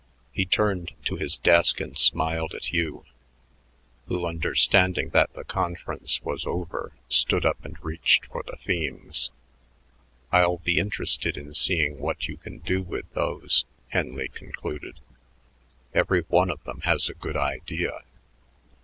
He turned to his desk and smiled at Hugh, who, understanding that the conference was over, stood up and reached for the themes. "I'll be interested in seeing what you can do with those," Henley concluded. "Every one of them has a good idea.